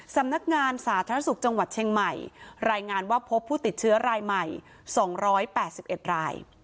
สำนักงานสาธารณสุขจังหวัดเชียงใหม่รายงานว่าพบผู้ติดเชื้อรายใหม่สองร้อยแปดสิบเอ็ดราย